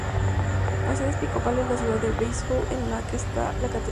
La sede episcopal es la ciudad de Viseu, en la que está la catedral.